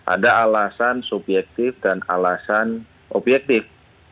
ada alasan subyektif dan alasan obyektif